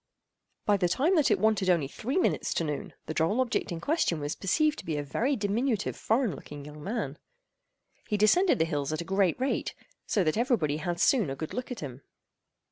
By the time that it wanted only three minutes to noon, the droll object in question was perceived to be a very diminutive foreign looking young man. He descended the hills at a great rate, so that every body had soon a good look at him.